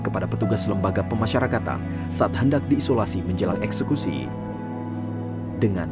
kepada petugas lembaga pemasyarakatan saat hendak diisolasi menjelang eksekusi dengan